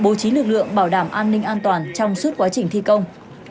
bố trí lực lượng bảo đảm an ninh an toàn trong suốt quá trình thi công